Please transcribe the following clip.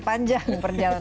pak menteri juga